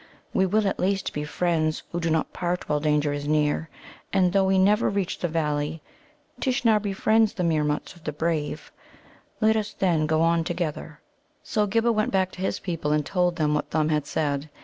We will at least be friends who do not part while danger is near, and though we never reach the Valley, Tishnar befriends the Meermuts of the brave. Let us, then, go on together." So Ghibba went back to his people, and told them what Thumb had said.